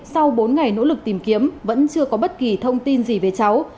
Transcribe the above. sau bốn ngày nỗ lực tìm kiếm vẫn chưa có bất kỳ thông tin gì về cháu